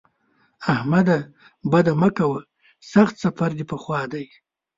احمده! بد مه کوه؛ سخت سفر دې په خوا دی.